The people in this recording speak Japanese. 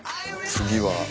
次は？